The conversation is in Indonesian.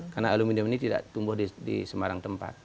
karena aluminium ini tidak tumbuh di semarang tempat